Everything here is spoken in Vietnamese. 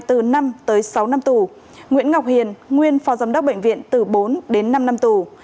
từ năm tới sáu năm tù nguyễn ngọc hiền nguyên phó giám đốc bệnh viện từ bốn đến năm năm tù